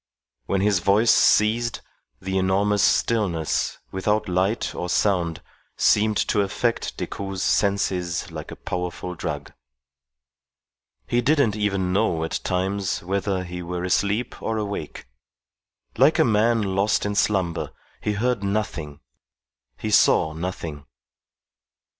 When his voice ceased, the enormous stillness, without light or sound, seemed to affect Decoud's senses like a powerful drug. He didn't even know at times whether he were asleep or awake. Like a man lost in slumber, he heard nothing, he saw nothing.